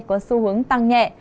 có xu hướng tăng nhẹ